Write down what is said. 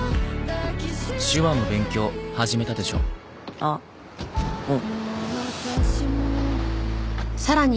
あっうん。